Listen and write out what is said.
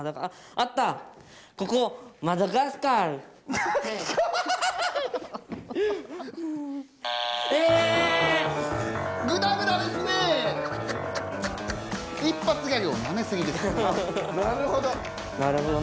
あなるほど。